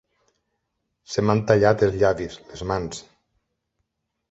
Se m'han tallat els llavis, les mans.